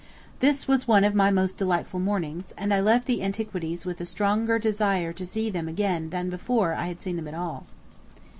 This was one of my most delightful mornings, and I left the Antiquities with a stronger desire to see them again than before I had seen them at all.